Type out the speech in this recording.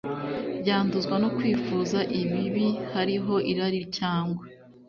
ryanduzwa no kwifuza ibibi Hariho irari cyangwa